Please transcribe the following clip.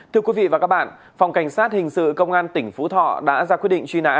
thưa quý vị và các bạn phòng cảnh sát hình sự công an tỉnh phú thọ đã ra quyết định truy nã